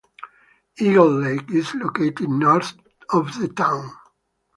Eagle Lake is located north of the town.